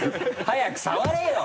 早く触れよ！